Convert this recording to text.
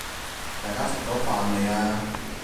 大家食咗飯未呀？